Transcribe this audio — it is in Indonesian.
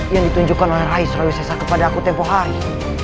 yang ditunjukkan oleh rayi selalu sesak kepada aku tempoh hari